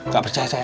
gak percaya saya